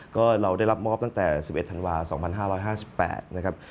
ก็เราได้รับมอบตั้งแต่๑๑ธันวา๒๕๕๘นะครับ